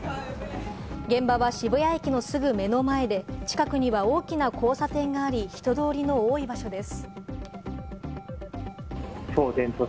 現場は渋谷駅のすぐ目の前で、近くには大きな交差点があり、人通りの多い場所です。